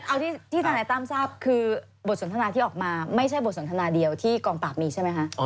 เอาที่ธนายตั้มทราบคือบทสนทนาที่ออกมาไม่ใช่บทสนทนาเดียวที่กองปราบมีใช่ไหมคะ